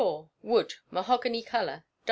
Wood. Mahogany Colour.